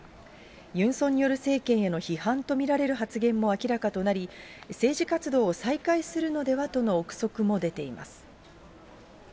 ユン・ソンニョル政権への批判と見られる発言も明らかとなり、政治活動を再開するのでは？との臆測も出ています。